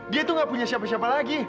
dia tuh gak punya siapa siapa lagi